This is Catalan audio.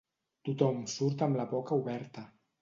Tothom surt amb la boca oberta.